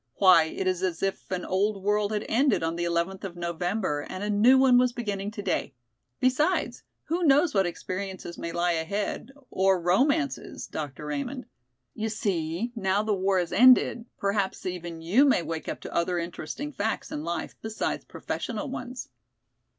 Why, it is as if an old world had ended on the eleventh of November and a new one was beginning today! Besides who knows what experiences may lie ahead, or romances, Dr. Raymond. You see now the war has ended, perhaps even you may wake up to other interesting facts in life beside professional ones."